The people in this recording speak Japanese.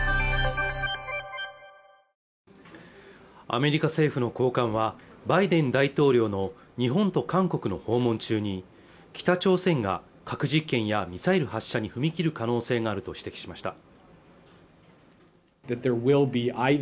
アメリカ政府の高官はバイデン大統領の日本と韓国の訪問中に北朝鮮が核実験やミサイル発射に踏み切る可能性があると指摘しました